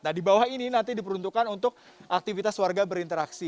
nah di bawah ini nanti diperuntukkan untuk aktivitas warga berinteraksi